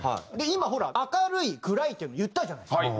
今ほら「明るい」「暗い」っていうの言ったじゃないですか。